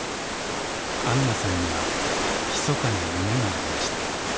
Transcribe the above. あんなさんにはひそかな夢がありました。